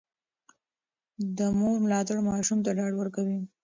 د مور ملاتړ ماشوم ته ډاډ ورکوي.